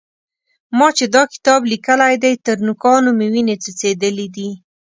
ما چې دا کتاب لیکلی دی؛ تر نوکانو مې وينې څڅېدلې دي.